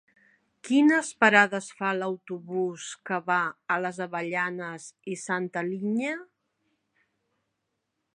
Quines parades fa l'autobús que va a les Avellanes i Santa Linya?